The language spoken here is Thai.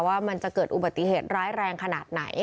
ว่ามันจะเกิดอุบัติเหตุร้ายแรงขนาดไหน